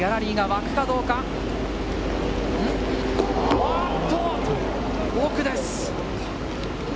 あっと、奥です！